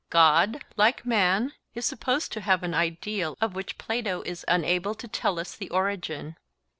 God, like man, is supposed to have an ideal of which Plato is unable to tell us the origin.